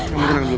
kamu tenang dulu